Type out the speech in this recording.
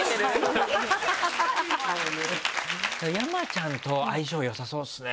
山ちゃんと相性良さそうですね